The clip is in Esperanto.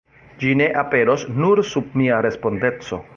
Ĝi ne aperos nur sub mia respondeco.